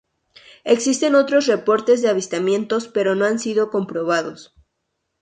Existen otros reportes de avistamiento pero no han sido comprobados.